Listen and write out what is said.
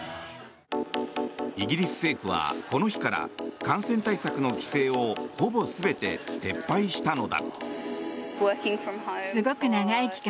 イギリス政府はこの日から感染対策の規制をほぼ全て撤廃したのだ。